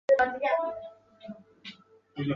近几年真的都是吹泡泡元年